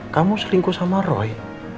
kamu selingkuh sama roy